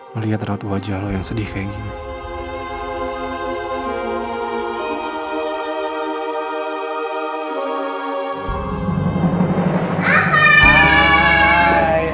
melihat raut wajah lo yang sedih kayak gini